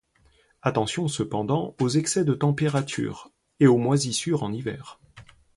Attention cependant aux excès de température et aux moisissures en hiver.